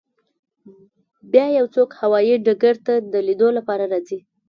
بیا یو څوک هوایی ډګر ته د لیدو لپاره راځي